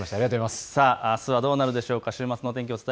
あすはどうなるんでしょうか。